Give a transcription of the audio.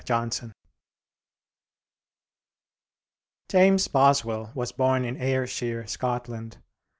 JOHNSON James Boswell was born in Ayrshire, Scotland.